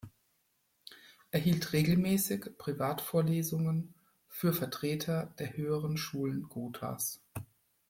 Er hielt regelmäßig Privatvorlesungen für Vertreter der höheren Schulen Gothas.